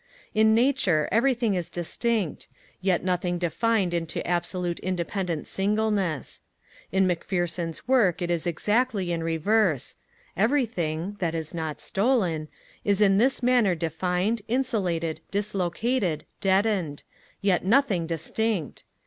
In nature everything is distinct, yet nothing defined into absolute independent singleness. In Macpherson's work it is exactly the reverse; everything (that is not stolen) is in this manner defined, insulated, dislocated, deadened, yet nothing distinct.